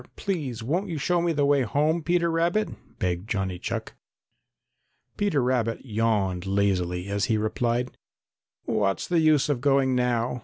Please won't you show me the way home, Peter Rabbit?" begged Johnny Chuck. Peter Rabbit yawned lazily as he replied: "What's the use of going now?